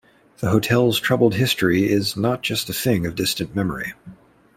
The Hotel's troubled history is not just a thing of distant memory.